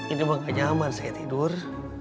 ini mah gak nyaman saya tidur